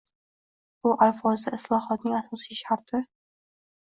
Bu alfozda islohotning asosiy sharti